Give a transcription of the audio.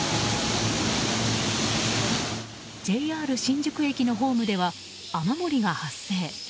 ＪＲ新宿駅のホームでは雨漏りが発生。